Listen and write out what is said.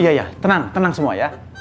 iya ya tenang tenang semua ya